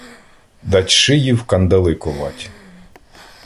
Дать шиї в кандали ковать.